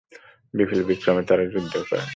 বিপুল বিক্রমে তারা যুদ্ধ করেন।